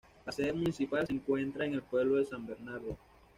La sede municipal se encuentra en el pueblo de San Bernardo.